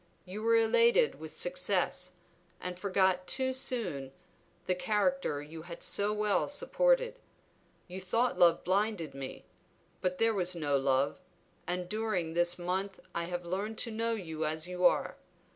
You were elated with success, and forgot too soon the character you had so well supported. You thought love blinded me, but there was no love; and during this month I have learned to know you as you are.